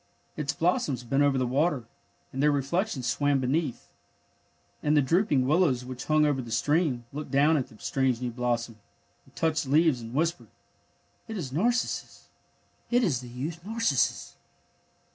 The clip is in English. Its blossoms bent over the water, and their reflections swam beneath. And the drooping willows, which hung over the stream, looked down at the strange new blossom, and touched leaves and whispered: ^^ It is Nar cissus. It is the youth Narcissus!